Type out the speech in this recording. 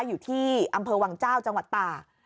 อยู่ที่อำเภอวังเจ้าจังหวัดตาก